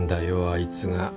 あいつが。